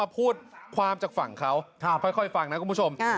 มาพูดความจากฝั่งเขาครับค่อยฟังนะคุณผู้ชมอ่า